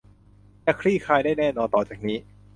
จะคลี่คลายได้แน่นอนต่อจากนี้